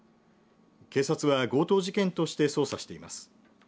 警察は強盗事件として捜査しています。